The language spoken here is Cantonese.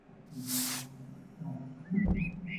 我哋嘅產品都係防過敏㗎